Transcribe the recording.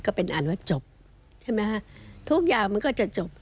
ก็เป็นอันว่าจบใช่ไหมฮะทุกอย่างมันก็จะจบ